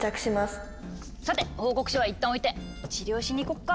さて報告書はいったんおいて治療しに行こっか！